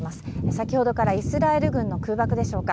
先ほどからイスラエル軍の空爆でしょうか。